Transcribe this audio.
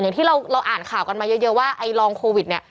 อย่างที่เราอ่านข่ากันมาเยอะว่าลองโควิด